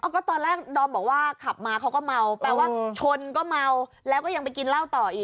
ก็ตอนแรกดอมบอกว่าขับมาเขาก็เมาแปลว่าชนก็เมาแล้วก็ยังไปกินเหล้าต่ออีก